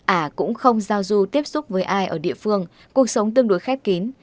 ả cũng không giao du tiếp xúc với ai ở địa phương cuộc sống tương đối khép kín